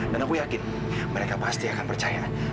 dan aku yakin mereka pasti akan percaya